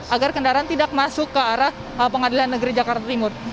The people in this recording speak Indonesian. agar kendaraan tidak masuk ke arah pengadilan negeri jakarta timur